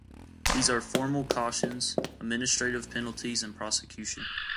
These are formal cautions, administrative penalties and prosecution.